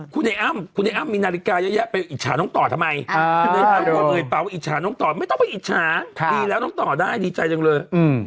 คุณไอ้อ้ำคุณไอ้อ้ำมีนาฬิกาเยอะแยะไปอิจฉาน้องต่อทำไมคุณไอ้อ้ำก็เอ่ยปากว่าอิจฉาน้องต่อไม่ต้องไปอิจฉาดีแล้วน้องต่อได้ดีใจจังเลย